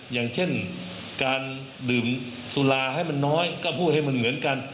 อย่างเช่นการดื่มสุราให้มันน้อยก็พูดให้มันเหมือนกัน